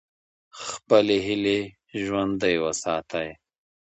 خپلې هیلې ژوندۍ وساتئ.